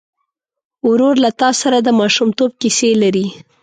ورور له تا سره د ماشومتوب کیسې لري.